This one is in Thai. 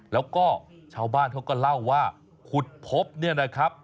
แล้วก็ชาวบ้านเขาก็เล่าว่าขุดพบเนี่ยนะครับ